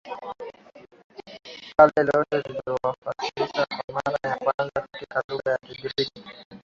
Kale lote lilitafsiriwa kwa mara ya kwanza katika lugha ya Kigiriki